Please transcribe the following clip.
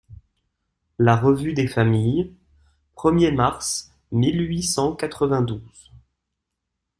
LA REVUE DES FAMILLES, premier mars mille huit cent quatre-vingt-douze.